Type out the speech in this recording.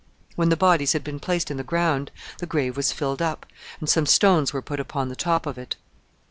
When the bodies had been placed in the ground, the grave was filled up, and some stones were put upon the top of it.